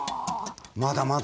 まだまだ。